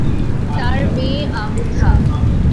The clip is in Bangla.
তার মেয়ে আমুথা।